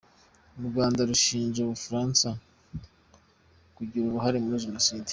U Rwanda rushinja u Bufaransa kugira uruhare muri jenoside.